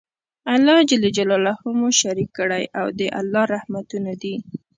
الله ج مو شريک کړی او د الله رحمتونه دي